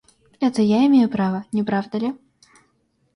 Это я имею право, не правда ли?